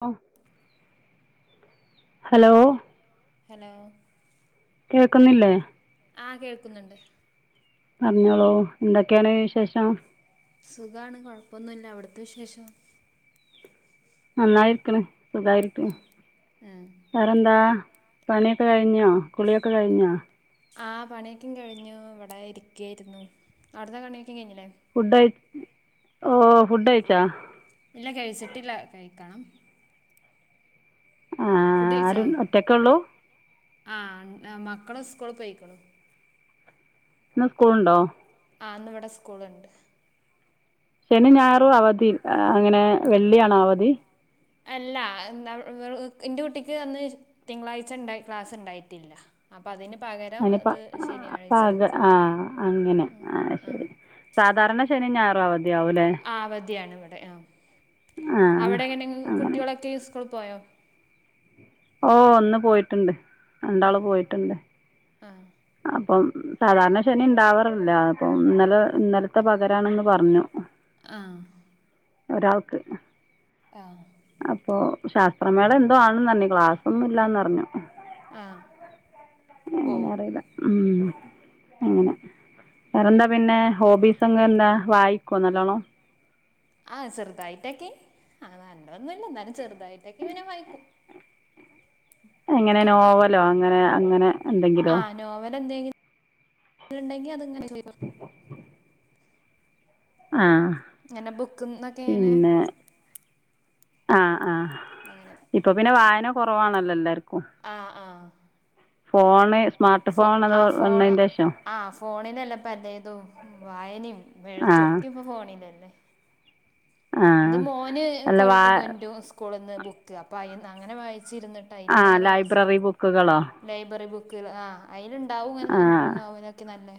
[unintelligible] Hello hello കേൾക്കുന്നില്ലേ ആ കേൾക്കുന്നുണ്ട്. പറഞ്ഞോളൂ എന്തൊക്കേണ് വിശേഷം. സുഖാണ് കൊഴപ്പൊന്നുല്ല. അവിടത്തെ വിശേഷം. നന്നായിരിക്ക്ണ്, സുഖായിരിക്ക്ണ്, ആഹ് ആഹ് വേറെന്താ. പണിയൊക്കെ കഴിഞ്ഞോ, കുളിയൊക്കെ കഴിഞ്ഞ. ആ പണിയൊക്കെ കഴിഞ്ഞു. ഇവിടെ ഇരിക്കായിരുന്നു അടത് പണിയൊക്കെ കഴിഞ്ഞില്ലേ? ഫുഡ് കഴി ഓ ഫുഡഴിച്ചാ? ഇല്ല കഴിച്ചിട്ടില്ല കഴിക്കണം. ആ ആര ഒറ്റക്കൊള്ളൂ. ആ മക്കള് സ്കൂൾ പോയിക്കണു. ന്ന് സ്കൂള്ണ്ടോ? ആ ഇന്നിവിടെ സ്കൂളുണ്ട്. ശനി ഞായറും അവധി ആ അങ്ങനെ വെള്ളിയാണോ അവധി. അല്ല [unintelligible] ഇന്റെ കുട്ടിക്ക് അന്ന് തിങ്കളാഴ്ച ഇണ്ടായി ക്ലാസ് ഇണ്ടായിട്ടില്ല. അപ്പൊ അതിന് പകരം അത് ശനിയാ അപ്പൊ അതെ ആഹ് അങ്ങനെ ആഹ് ശരി. സാധാരണ ശനി ഞായ ആ അവധിയാണ് ഇവിടെ ആ ആ അവിടെ എങ്ങനെ അങ്ങനെ കുട്ടികളൊക്കെ ഈ സ ഓള് പോയോ? ഓഹ് ഇന്ന് പോയിട്ട്ണ്ട് ആ രണ്ടാള് പോയിട്ട്ണ്ട്. ആ പ്പം സാധാരണ ശനി ണ്ടാവാറില്ല. അപ്പം ഇന്നലെ ഇന്നൽത്തെ പകരാണെന്ന് പറഞ്ഞു. ആഹ്. ഒരാൾക്ക് അപ്പോ. ശാസ്ത്രമേള എന്തോ ആണ് ന്നർഞ്ഞ് ക്ലാസ്സൊന്നുല്ലാന്നർഞ്ഞു. ആഹ് എങ്ങനെ ഓഹ് അറിയില്ല ഉം അങ്ങനെ. വേറെന്താ പിന്നെ ഹോബീസ് ങ്ങക്കെന്താ വായിക്കോ നല്ലോണം? ആഹ് ചെർതായിട്ടൊക്കെ ആ നല്ലൊന്നുല്ല ന്നാലും ചെർതായിട്ടൊക്കെ ഇങ്ങനെ വായിക്കും. എങ്ങനെ നോവലോ അങ്ങനെ അങ്ങനെ. എന്തെങ്കിലോ ആഹ് നോവെലെന്തെല്ണ്ടെങ്കി അത്ങ്ങനെ [unintelligible] ആഹ് ഇങ്ങനെ ബുക്കുന്നൊക്കെ ങ്ങനെ. ആഹ് ആഹ് ഇപ്പൊ പിന്നെ വായന കൊറവാണല്ലോ എല്ലാർ ആഹ് ആഹ് ഫോണ് സ്മാർട്ട് ഫോണത് വന്നയ്ന്റെഷം. ആഹ് ഫോണിലല്ലെ പലേതും വായനിം ആ എഴ്ത്തും ഒക്കെ പ്പൊ ഫോണിലല്ലേ. ആ ഇൻ്റെ മോന് [unintelligible] അല്ല വാ കൊൺരും സ്കൂള്ന്ന് ബുക്ക് അപ്പോ അയ് അങ്ങനെ വായി ച്ചിരുന്നട്ടാ ആ ഇതിങ്ങനെ ലൈബ്രറി വായിച്ചിരിക്കും ബുക്കുകളോ ലൈബ്രറി ബുക്കുകൾ ആ അതിലുണ്ടാവും ആ ഇങ്ങനെ നോവലൊക്കെ നല്ലേ.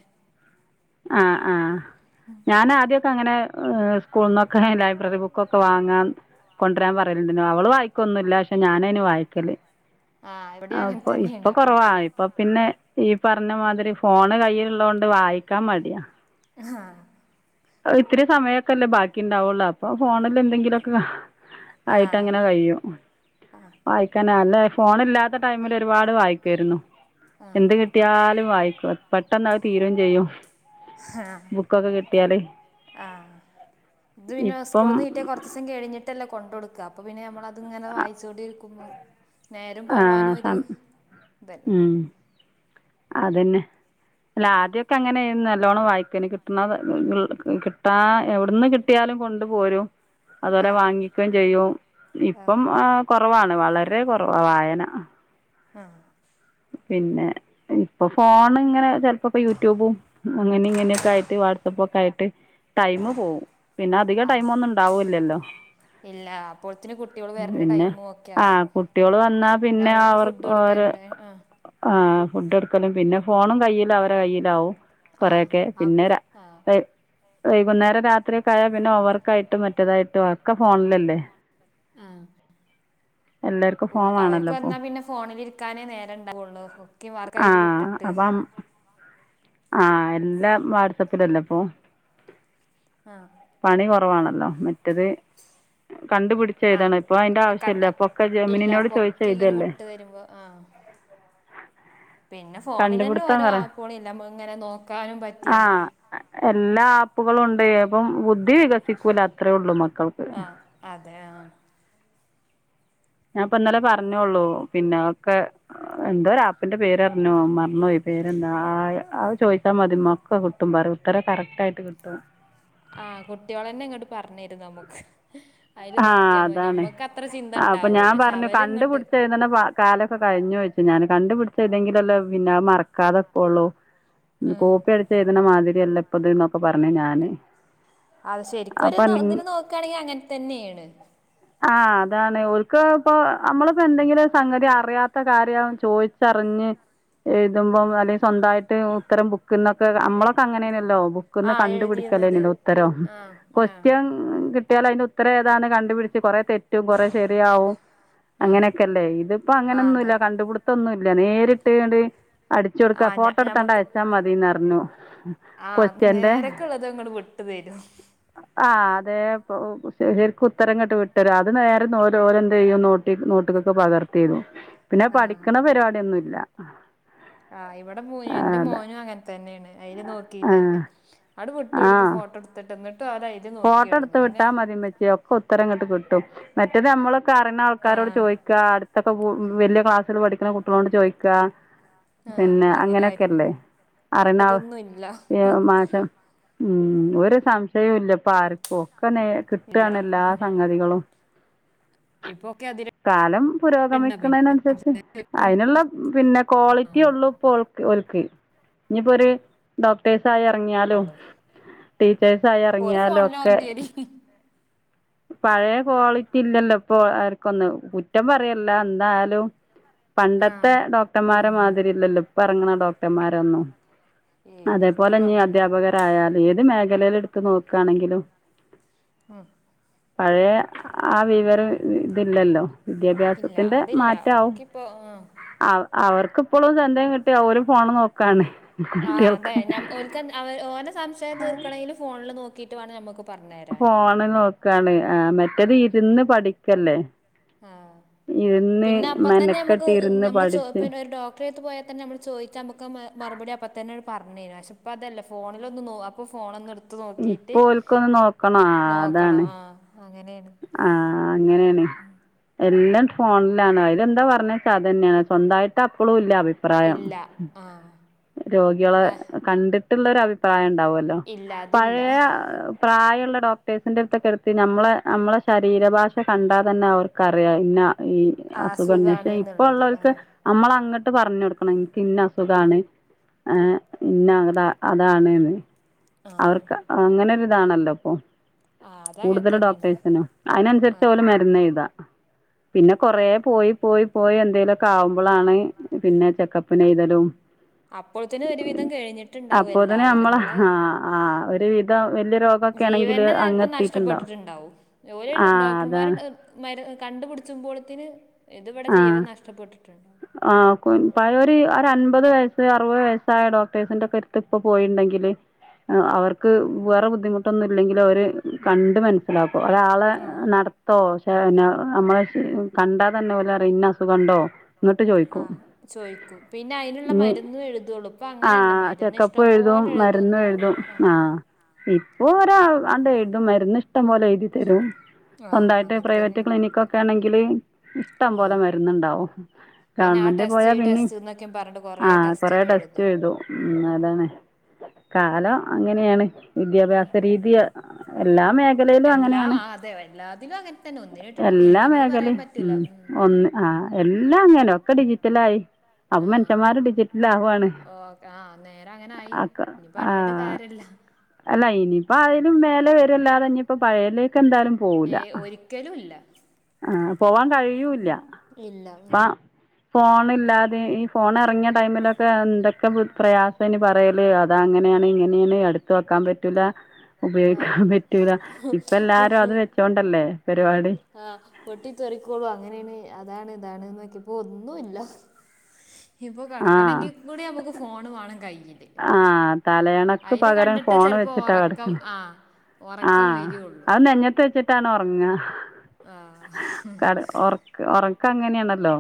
ആ ആ ഞാൻ ആദ്യക്കെ അങ്ങനെ. സ്കൂളന്നൊക്കെ ലൈബ്രറി ബുക്കൊക്കെ വാങ്ങാൻ കൊണ്ടുവരാൻ പറയെടിലും അവള് വായിക്കൊന്നും ഇല്ല, പക്ഷെ ഞാനാണ് വായിക്കല്. ആ ഇവിടെ അങ്ങനെ അപ്പൊ തന്നെയാണ് ഇപ്പൊ അപ്പോൾ കുറവാ ഇപ്പൊ പിന്നെ. ഈ പറഞ്ഞ മാതിരി ഫോണ് കയ്യിലുള്ളത് കൊണ്ട് വായിക്കാൻ മടിയാ. ആ ഇത്തിരി സമയമൊക്കെല്ലേ ബാക്കി ഉണ്ടാവുള്ളൂ. അപ്പൊ ഫോണിൽ എന്തെങ്കിലുമൊക്കെ. ആ ആയിട്ടങ്ങനെ കഴിയും, ആ വായിക്കാൻ നല്ല ഫോണ്. ഇല്ലാത്ത ടൈമില് ഒരുപാട് വായിക്കായിരുന്നു. ആ എന്ത് കിട്ടിയാലും. വായിക്കും പെട്ടെന്ന് അത് തീരോ ചെയ്യും ആ ബുക്കൊക്കെ കിട്ടിയാല്. ആ ഇത് പിന്നെ ഇപ്പം സ്കൂളിന്ന് കിട്ടിയാ കൊറച്ച് ദിവസം കഴിഞ്ഞിട്ടല്ലേ കൊണ്ട് കൊടുക്കുക. അപ്പൊ പിന്നെ നമ്മള് അങ്ങനെ വായിച്ചൊണ്ടിരിക്കുമ്പോ നേരം ആ പോവാനും ഒരു സം ഇതല്ലേ. ഉം അതന്നെ അല്ല ആദ്യക്കെ അങ്ങനെയെന്നു നല്ലോണം വായിക്കന്, കിട്ടണ കിട്ടാ എവിടന്ന് കിട്ടിയാലും കൊണ്ട് പോരും. ആ അതുപോലെ വാങ്ങിക്കയും ചെയ്യും ഇപ്പം ആ കുറവാണ് വളരെ കുറവാ വായന. ആ പിന്നെ ഇപ്പൊ ഫോൺ ഇങ്ങനെ. ഇപ്പൊപ്പൊ യൂട്യൂബും അങ്ങനെ ഇങ്ങനെയൊക്കെ ആയിട്ട് വാട്സ് പുക്ക ആയിട്ട്. ടൈമ് പോവും പിന്നെ ആ അധികം ആ ടൈമ് ഒന്നും ഉണ്ടാവൂല്ലല്ലോ. ഇല്ല അപ്പോഴത്തിന് കുട്ടികൾ വരേണ്ട പിന്നെ ടൈമ് ഒക്കെ ആ ആവും. കുട്ടികള് വന്നാ പിന്ന പിന്നെ അവർക്ക് അവർ ഫുഡ് കൊടുക്കാൻ. ഓര് ആ ഫുഡ് എടുക്കലും പിന്നെ ഫോണും കൈയ്ല്ല അവരെ കയ്യിലാവും. ആ കൊറെയൊക്കെ ആ പിന്നെ. ആ വൈകുന്നേരം രാത്രിയക്ക ആയാൽ പിന്നെ ഹോംവർക്കും ആയിട്ടും മറ്റേതായിട്ടും ഒക്കെ ഫോണിലല്ലേ. ആ എല്ലാർക്കും ഉം ഫോൺ അവർക്ക് വേണല്ലോ ഇപ്പൊ വന്നാൽ പിന്നെ ഫോണിൽ ഇരിക്കാനെ നേ നേരെണ്ടാവുള്ളു ഒക്കി ആ മാർക്കിയിൽ വിട്ടിട്ട്. അപ്പം ആ എല്ലാം വാട്സപ്പിലല്ലേപ്പൊ. ആ ആണല്ലോ മറ്റത്. കണ്ടുപിടിച്ച ആ എഴുതാണ് ഇപ്പ അതിന്റെ ആവശ്യല്ല. കണ്ട ഇപ്പൊക്കെ ഇല്ല ജെമിനീനോട് ചോദിച്ച് പൊക്കി ഇങ്ങനെ എഴുതല്ലേ. വിട്ട് തരുമ്പോ ആ പിന്നെ ഫോണിലന്നെ കണ്ടുപിടുത്തം ഓരോ പറ ആപ്പുകളില്ലേ നമക്ക് ഇങ്ങനെ നോക്കാനും ആ പറ്റിയത്. എല്ലാ ആപ്പുകളും ഉണ്ടേ അപ്പം [unintelligible] ബുദ്ധി വികസിക്കൂല അത്രേ ഉള്ളു മക്കൾക്ക്. ആ അതെ ആ ഞാപ്പന്നലെ പറഞ്ഞെള്ളൂ പിന്നെ ഒക്കെ എന്തോ ഒരു ആപ്പിന്റെ പേര് പറഞ്ഞോ. മറന്നോയി. അത് ചോദിച്ചാ മതി [unintelligible] ഉത്തരം കറക്റ്റ് ആയിട്ട് കിട്ടും. ആ കുട്ട്യേളന്നെ ഇങ്ങട്ട് പറഞ്ഞു തരും നമുക്ക്. അയില് ആ നോക്കിയാ മതി അതാണ് ഞമ്മക്ക് അത്ര ചിന്ത അപ്പൊ ഞാൻ ഇണ്ടാവൂല പക്ഷെ പറഞ്ഞു കണ്ട് അവരിങ്ങട്ട് പിടിച്ച് എഴുത്ണ കാലൊക്കെ കഴിഞ്ഞോ ചോയ്ച്ചു ഞാൻ കണ്ട്പടിച്ചയ്തെങ്കിലല്ലെ പിന്നെ അത് മറക്കാതെ നിക്കോള്ളു. ആഹ് കോപ്പി അടിച്ച് എഴുതണ മാതി [unintelligible] ഇല്ലപ്പതന്നൊക്കെ പറഞ്ഞ് ഞാന്. അ ശരിക്കും ഒരു ഇതിന് നോക്കയാണെങ്കി അങ്ങനെ തന്നേണ്. ആഹ് അതാണ് ഓൽക്ക് ഇപ്പ നമ്മളിപ്പോ എന്തെങ്കിലും ഒരു സംഗതി അറിയാത്ത കാര്യം ചോദിച്ചറിഞ്ഞ് എഴുതുമ്പോ അല്ലങ്കി സ്വന്തമായിട്ട് ഉത്തരം ബുക്കിന്നൊക്കെ നമ്മളൊക്കെ അങ്ങനെണല്ലോ. ബുക്ക്ന്ന് ആഹ് കണ്ടുപിടിക്കലെനി എഴുതിരുന്നത് ഉത്തരം. ആഹ് ആഹ് ക്വസ്റ്റ്യൻ കിട്ടിയാലയന്റെ ഉത്ത ഉത്തരം ഏതാന്ന് കണ്ടുപിടിച്ച് കുറേ തെ കൊറെ ശെരിയാവും ആഹ് അങ്ങനെക്കേണ്ടയ്. ഇതിപ്പോ ആഹ് അങ്ങനെന്നുല്ല. അതെ കണ്ടുപിടുത്തൊന്നുല്ല. ഇല്ല നേരിട്ട് ഇങ്ങട്ട് അടിച്ചു കൊടുക്കാ. ആഹ് ഫോട്ടോ എടുത്താണ്ട് അയച്ചാ മതിന്ന് പറഞ്ഞു. ആ നേരക്ക ഉള്ളത് ഇങ്ങട്ട് വിട്ടു തരും. ആ അതെ പ്പോ. ചെലർക്ക് ഉത്തരം ഇങ്ങോട്ട് വിട്ടരും അത് നേരെ ഓല് എന്ത് ചെയ്യും നോക്കി നോട്ടബുക്ക്ക് പകർത്തിഎഴുതും. പിന്നെ പഠിക്കണ പരിപാടി ഒന്നും ഇല്ല. ആ ഇവിടെ [unintelligible] എന്റെ മോനും അങ്ങനെതന്നെആണ്. അയിൽ നോക്കിട്ടന്നെ. ആഹ് [unintelligible] വിട്ട് കൊടുക്ക് ആഹ് ഫോ [unintelligible] ഫോട്ടോ എടുത്ത് വിട്ടാൽ മതി മ്മച്ചേ അപ്പോ ഉത്തരം ഇങ്ങട്ടു കിട്ടും മറ്റേത് [unintelligible] ക്കാരണ ആൾക്കാരോട് ആഹ് ചോയിക്കാ അടുത്തൊക്കെ വല്യ ക്ലാസ്സി പഠിക്കുന്ന കുട്ടികളോട് ചോയിക്കാ ആഹ് അങ്ങനാരുന്നു ഇപ്പ അറിയണ ആൾ അതൊന്നും ഇല്ല മാഷ് ഉം ഒരു സംശയവും ഇല്ല ഇപ്പ ആർക്കും. ഒക്കെ കിട്ടുകാണ് എല്ലാ സംഗതികളും. ഇപ്പോ കാലം പുരോഗമിക്കുന്നന്നുസരിച്ച്. പിന്നെ അതിനുള്ള പിന്നെ ക്വാളിറ്റി ഉള്ളൂ ഇപ്പോ. ഒൽക്ക് ഇനിപ്പോര് ഡോക്ടേഴസ ആയി ഇറങ്ങിയാലും. ഉള്ളൂ ടീച്ചേഴ്സ് ആയി ഇറങ്ങിയാൽ. [unintelligible] ണ്ടരി പഴയ ക്വാളിറ്റി ഇല്ലല്ലോ. ഇപ്പോ അവർക്കൊന്ന് കുറ്റം പറയല്ല. എന്തായാലും. പണ്ടത്തെ ആഹ് ഡോക്ടർമാരെ ഉം മാതിരി ഇല്ലല്ലോ. ഇപ്പ ഇറങ്ങണ ഡോക്ടർമാരൊന്നും. ഏയ് അതേപോലെ ഒരിക്കലും നീ അങ്ങനല്ല അധ്യാപകരായാല്. ഏത് മേഖലയിൽ എടുത്ത നോക്കയാണെങ്കിലും. ആഹ് പഴയ ആ വിവരം ഇതില്ലല്ലോ? ഇല്ല വിദ്യാഭ്യാസത്തിന്റെ അതില്ല മാറ്റവും. ഒക്കിപ്പോ ആഹ് ആ അവർക്കിപ്പോഴും ചെന്തയും കിട്ടി അവര് ഫോണ് നോക്കാണ്. ആഹ് കുട്ടികൾക്ക് അതെ ഞ ഒൽക്ൻ അവ ഓന സംശയം തീർക്കണെലും ഫോണിൽ നോക്കിട്ടവാണം ഞമ്മ ഫോണ് നോക്കാണ് ആഹ് മറ്റേത് ഇരുന്ന് പഠിക്കല്ലേ ആ ഇരുന്ന് പിന്നെ അപ്പ തന്നെ മ്മക്ക് മെനക്കെട്ട് ഇരുന്ന് നമ്മെള് ച്ചോ പ്പ പഠിച്ച് ന്ന ഒരു ഡോക്ടറെത്ത് പോയാൽ തന്നെ നമ്മൾ ചോയിച്ച നമ്മക്ക മറുപടിഅപ് - ഇപ്പത്തന്നെ ഓര് പറഞ്ഞിനു പക്ഷേ ഇപ്പോ അതല്ല ഫോണിലൊന്ന് നോ അപ്പോ ഫോണൊന്നെടു ഇപ്പോ ഒല്ക്കൊന്ന് നോക്കണ നോക്കണം അതാണ് ആഹ് അങ്ങനെയാണ് ആഹ്‌ ഇങ്ങനെയാണ് എല്ലാം ഫോണിലാണ് ഇത് എന്താ പറഞ്ഞച്ചാ അതന്നെയാണ് സ്വന്തയിട്ട്പ്പളുല്ല അ പ്രായം ഇല്ല ആഹ് രോഗികളെ ആഹ് കണ്ടിട്ടുള്ള ഒരു അഭിപ്രായ ഉണ്ടാവല്ലോ ഇല്ല അതില്ല പഴയ പ്രായമുള്ള ഡോക്ടേഴ്സിന്റെ അടുത്തൊക്കെ എടുത്ത് നമ്മള നമ്മളെ ശരീരഭാഷ കണ്ടാതന്നെ അവർക്ക്റിയാം ഇന്ന ഈ ആഹ് അസുഖം [unintelligible] അസുഖാണ് പക്ഷെ ഇപ്പ എന്നുള്ളത് ഉള്ളവർക്ക് ആഹ് നമ്മൾങ്ങട്ട് ഇട്ട് പറഞ്ഞു കൊടുക്കണം എനിക്ക് ഇന്ന അസുഖാണ് ഇന്ന അതാ അതാണ്ന്ന് ആഹ് അവർക്ക് അങ്ങനൊ ഒരു ഇതാണല്ലോ ഇപ്പൊ ആഹ് അത് അങ്ങനെ [unintelligible] തന്നെയാണ് അതിനനുസരിച്ച ആഹ് ഓൽ മരുന്ന്ഴുതാ പിന്നെ കൊറ പോയി പോയി പോയി എന്തേലുമൊക്കെ ആവുമ്പോളാണ് പിന്നെ ചെക്കപ്പിൻ എഴുതാലും അപ്പോഴത്തിനും ഒരുവിധം കഴിഞ്ഞിട്ടുണ്ടാവും എല്ലാതും ഞമ്മളെ ഒരു വിധം വലിയ രോഗമൊക്കെ ആണെങ്കില് അങ്ങെത്തിയിട്ടുണ്ടാവും ഓർ ഡോക്ടർമാർ മരുന്ന് കണ്ടുപിടിച്ചുമ്പോഴത്തിന് ഇത് ഇവിടെ ആ ജീവം നഷ്ടപ്പെട്ടിട്ട് ആ [unintelligible] ഒരു അൻപത് വയസ് ഒരു അറുപത് വയസ്സായ ഡോക്ടേഴ്സിന്റെറെ അടുത്ത് ഇപ്പോ പോയണ്ടെങ്കിൽ അവർക്ക് വേറെ ബുദ്ധിമുട്ടൊന്നും ഇല്ലെങ്കിലും അവര് കണ്ട് മനസ്സിലാക്കും അരാളെ ആ നമ്മളെ നടത്തോ [unintelligible] നമ്മള് കണ്ടാതെന്നേ ഓൽ പറയും ഇന്ന അസുഖണ്ടോ ഇങ്ങട്ട് ചോയിക്കും. ആഹ് ചോയ്ക്കും പിന്നെ അയിനുള്ള ഇനി മരുന്ന് എഴുതുള്ളൂ ഇപ്പൊ അങ്ങനെയല്ല മരുന്ന് ഇഷ്ടം പോലെ മരുന്ന് എഴുതും ആ ഇപ്പോ അ അങ്ങട്ട് എഴുത്തും മരുന്ന് ഇഷ്ടം പോലെ എഴുതി തരും ആ സ്വന്തമായിട്ട് അങ്ങനെ തന്നെ പ്രൈവറ്റ് ക്ലിനിക്ക് ഒക്കെ ആണെങ്കിൽ ക്കല് ഇഷ്ടം ആ പോലെ മെര്ന്ന്ണ്ടാവും. പിന്നെ ആ ഗവണ്മെന്റ് ടെസ്റ്റ് പോയാ ഈ പിന്നിം ടെസ്റ്റ് എന്നൊക്കെ പറഞ്ഞിട്ട് കൊറേ ആഹ് കൊറെ ടെസ്റ്റിനും എഴുതും ടെസ്റ്റെഴ്തും ഉം അതാണ്. കാലം അങ്ങനെണ് വിദ്യാഭ്യാസ രീതി എല്ലാ മേ എല്ലാ അതെ എല്ലാതിലും അങ്ങൻതന്നെ ഒന്നിന് [unintelligible] എല്ലാ ഒന്നിന് പറയാൻ മേഖലയും പറ്റൂല. ഉം ഒന്ന് ആഹ് എല്ലാ അങ്ങനെ ഒക്കെ ഡിജിറ്റലായി. അപ്പൊ ആ മെൻഷ്യന്മാരും ഡിജിറ്റലാവാണ് ഓ ആ നേരെ അങ്ങനെ ആയി അക്ക ഇനി പറഞ്ഞിട്ട് ആഹ് കാര്യമില്ല അല്ല ഇനിയിപ്പോ അതിലും മേലെ വെര്യല്ലാതെ ഇഞ്ഞിപ്പം പഴേല് ക്കെന്തായാലും പോവൂല്ല ഏ ആഹ് പോവാൻ പോവാൻ കഴിയൂല്ല ഇല്ല ഫാ ഉം. ഫോണ് ഇല്ലാതെ ഈ ഫോണെറ്ങ്ങിയ ടൈമിലൊക്കെ എന്തൊക്കെ ബു പ്രയാസേനി പറയല് അ തങ്ങനെയാണ് ഇങ്ങനെയാണ് അട്ത്ത് വെക്കാൻ പറ്റൂലാ ആ ഉപയോയിക്കാൻ പറ്റൂലാ ഇപ്പെല്ലാരും അ ത് വെച്ചോണ്ടല്ലേ പരിവാടി ആഹ് പൊട്ടിത്തെറിക്കോളൂ അങ്ങനെയാണ് അതാണ് താണ് നോക്കിയപ്പോ ഒന്നുല്ലാ ഇപ്പോ ആഹ് കെടക്കണങ്കി കൂടിയമ്മക്ക് ഫോണ് വാണം കയ്യില് ആഹ് തലേണക്ക് പകരം ഫോണ് ചിലപ്പോൾ വെച്ചിട്ടാ ഉറക്കം കടക്ക്ണെ ആ ഉറക്കം ആഹ് വരികയുള്ളൂ അഹ് നെഞ്ഞത്തെച്ചിട്ടാണ് ഒറങ്ങാ ആ കട് ഒറക്ക് ഒറക്കങ്ങനേണല്ലോ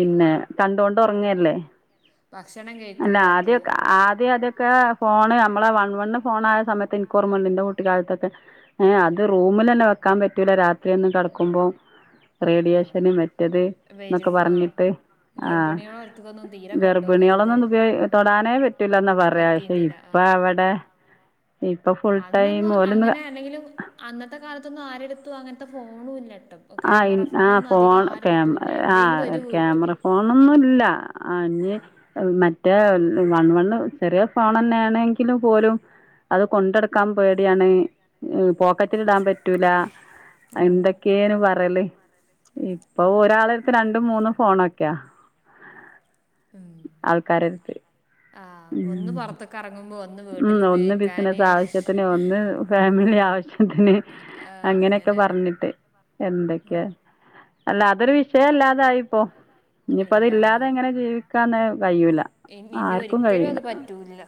ആ കണ്ടോണ്ട് ഒറങ്ങ്യല്ലേ ഭക്ഷണം അല്ല കഴിക്കുമ്പോൾ അത് ആദ്യൊക്കെ ആദ്യം അതൊ ക്കെ ഫോണ് നമ്മളെ വൺ വണ്ണ് ഫോണായ സമയത്ത് ഇന്ക്കോർമണ്ട് ഇന്റെ കുട്ടിക്കാലത്തൊക്കെ ഏഹ് അത് റൂ മിലെന്നെ വെക്കാൻ പറ്റൂല രാത്രിയൊന്നും കട്ക്ക്മ്പം ആ റേഡിയേഷന് മറ്റത് ന്നൊക്കെ വരും ആ പറഞ്ഞിട്ട് ആഹ് ഗർഭിണികളെ അടുത്തൊന്നും തീരെ ഗർ കൊണ്ടുപോകരുത് ഭിണികളൊന്നും ഇത് ഉപയ് ആ. തൊടാനേ പറ്റൂലന്നാ പറയാ പക്ഷേ പറ്റിയിരുന്നില്ല ഇപ്പ ആ എവടെ അന്നൊന്നും ഓലൊന്ന് അങ്ങനെ അല്ലെങ്കിലും അന്നത്തെ കാലത്തൊന്നും ആരെട്ത്തും അങ്ങത്തെ ഫോണുല്ല ആഹ് ഇ ആഹ് ഫോൺ ക്യാ ഇല്ല ആഹ് എവിടെയെങ്കിലും ഒരു ഏഹ് വീട്ടില് ക്യാമറ ഫോണൊന്നുല്ലാ ആഹ് ആ ഞ്ഞ് ഏഹ് മറ്റേ വൺ വണ്ണ് ചെറിയേ ഫോണെന്നേണെങ്കിലും പോലും അത് കൊണ്ടട്ക്കാ പേടിയാണ് ഏഹ് പോ ക്കറ്റിലിടാൻ പറ്റൂല ഉം. എന്തൊക്കേണ് പറല് ഇപ്പൊ ഓഹ് ഒരാളട്ത്ത് രണ്ടും മൂന്നും ഫോണൊക്കെയാ ആൾക്കാരടുത്ത് ആഹ് ഒന്ന് പൊർത്ത്ക്കെറങ്ങുമ്പോ ഒ ഉം ഒന്ന് ബിസിനസ് ആവശ്യത്തിന് ഒന്ന് ഫാമിലി ആവശ്യ ത്തിന് ആ അങ്ങനെയൊക്കെ അങ്ങനെ പറഞ്ഞിട്ട് എന്തൊക്കെ അല്ല അതൊരു വിഷയല്ലാതായിപ്പോ ഇനിയിപ്പോ അതി ഇല്ല ഇല്ലാതെ എങ്ങനെ ജീവിക്കാന്ന് കഴിയൂല ഇന് ഇനി ആർക്കും ഒരിക്കലും കഴിയൂല അത് പറ്റൂല്ല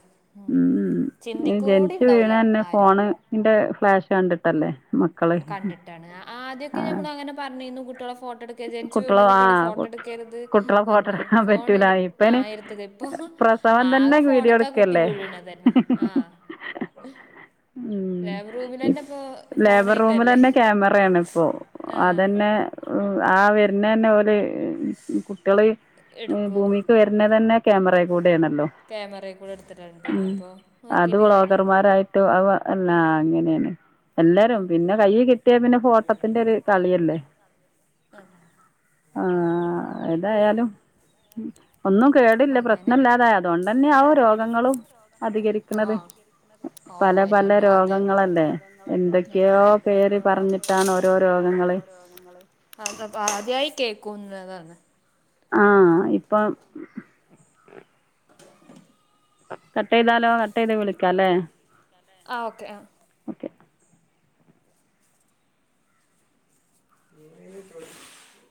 ഉം അത്‌ ജനിച്ച് വീണെന്നെ ആരും ഫോണിന്റെ ഫ്ലാഷ് കണ്ടിട്ടല്ലേ മക്കള് കണ്ടിട്ടാണ് അ ആ ആദ്യൊക്കെഞമ്മളങ്ങനെ പർഞ്ഞീന്നു കുട്ടികളെ ഫോട്ടോ എടുക്കരുത് ജനിച്ചു വീണ കുട്ടികളെ ഫോട്ടോ ടുക്കരുത് കുട്ടികളെ ഫോട്ടോ ഒന്നും എടുക്കാൻ ഫോണ് പറ്റൂല എടുത് ഇപ്പന് ആഹ് എരുത്ത്ക്ക് ഇപ്പൊ ആകെ ഫോണ്ക്കാ കു ല്ലേ തന്നെ ആഹ് ഉം ലേബർ ഫോണായിട്ടല്ലേ റൂമിലെന്നെ ക്യാമറേണ് ഇപ്പോ ആ അതന്നേ ഊ ആഹ് വര്ന്നേന്നെ ഓല് ഏർ കുട്ട്യാള് എടുക്കും ഭൂമീക്ക് വര്ന്നതന്നെ ക്യാമറേകൂടി ക്യാമറേ കൂടെ ഇട്ത്ത്ടാണ് ഉം അത് വ്ലോകർമാരായിട്ട് അവ് വ ന്നാ അങ്ങനേണ് എല്ലാരും പിന്നെ കയ്യി കിട്ടിയാ പിന്നെ ഫോട്ടത്തിന്റെ ഒരു കളിയല്ലേ ആ ആഹ് ഏതായാലും ഒന്നും കേടില്ല അങ്ങനെ പ്രശ്ന ഇല്ലാതായ അതുകൊണ്ടന്നേയാവും രോഗങ്ങളും അധികരിക്ക്ണത് നല്ല രോഗങ്ങളല്ല എന്തൊക്കെയോ പേര് എന്തൊക്കെയോ പേ പറഞ്ഞിട്ടാണ് ഓരോ പറിട്ട രോഗങ്ങള് ഓരോ രോഗ അപ്പ ആദ്യമായി കേക്കൂന്ന്താണ് ആഹ ഇപ്പൊ കട്ട് ചെയ്താലോ കട്ട് ചെയ്ത് വിളിക്കല്ലേ ആ് ഓക്കെ ആ ഉ ഇ ച